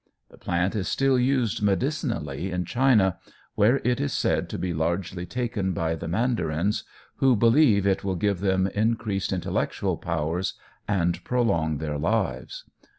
The plant is still used medicinally in China, where it is said to be largely taken by the mandarins, who believe it will give them increased intellectual powers and prolong their lives.